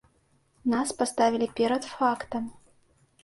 Нас паставілі перад фактам.